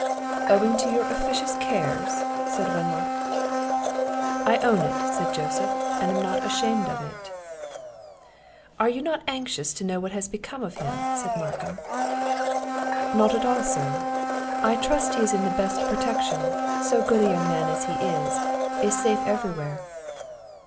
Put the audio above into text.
"Owing to your officious cares?" said Wenlock. "I own it," said Joseph, "and I am not ashamed of it." "Are you not anxious to know what is become of him?" said Markham. "Not at all, sir; I trust he is in the best protection; so good a young man as he is, is safe everywhere."